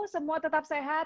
semua tetap sehat